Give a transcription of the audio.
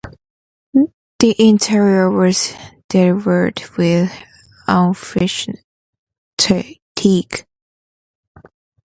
The interior was delivered with unfinished teak.